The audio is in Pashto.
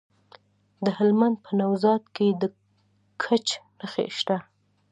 د هلمند په نوزاد کې د ګچ نښې شته.